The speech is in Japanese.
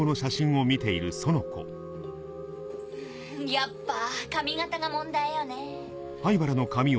やっぱ髪形が問題よね。